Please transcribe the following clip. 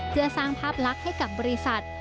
เพื่อสร้างภาพลักษณ์ให้กับบริษัท